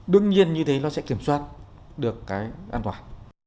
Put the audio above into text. đương nhiên như thế nó sẽ kiểm soát được cái an toàn